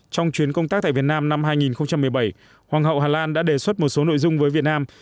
trong chuyến công tác tại việt nam năm hai nghìn một mươi bảy hoàng hậu hà lan đã đề xuất một số nội dung với việt nam